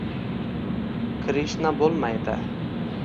Krishna bo'lmaydi